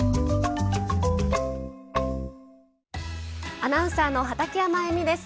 アナウンサーの畠山衣美です。